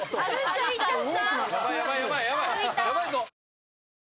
歩いちゃった。